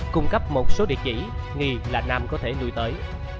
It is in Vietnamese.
cung cấp một số địa chỉ nghi là nam có thể nuôi tới